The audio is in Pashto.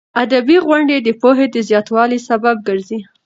ادبي غونډې د پوهې د زیاتوالي سبب ګرځي.